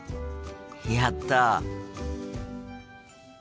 やった！